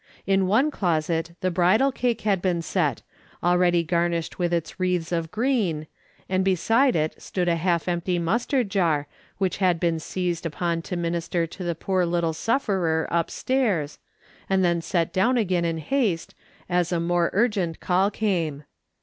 In one closet the bridal cake had been set, already garnished with its wreaths of green, and beside it stood a half empty mustard jar which had been seized upon to minister to the poor little sufferer upstairs, and then set down again in haste, as a more urgent call came.